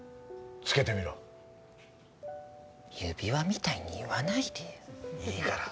つけてみろ指輪みたいに言わないでよ